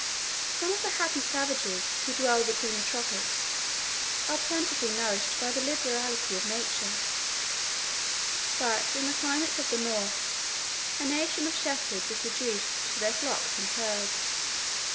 Some of the happy savages, who dwell between the tropics, are plentifully nourished by the liberality of nature; but in the climates of the North, a nation of shepherds is reduced to their flocks and herds.